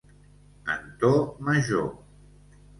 En to major.